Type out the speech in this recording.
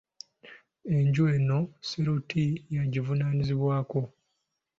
Enju eno, Sseruti y'agivunaanyizibwako.